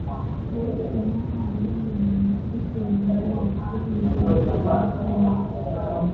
Rais Kenyatta ambaye ni Mwenyekiti wa jumuia ya Afrika mashariki alisema